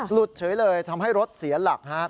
หลุดเฉยเลยทำให้รถเสียหลัก